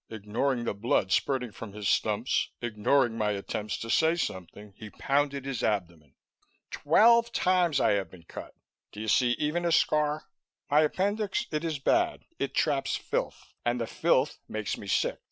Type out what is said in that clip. Ignoring the blood spurting from his stumps, ignoring my attempts to say something, he pounded his abdomen. "Twelve times I have been cut do you see even a scar? My appendix, it is bad; it traps filth, and the filth makes me sick.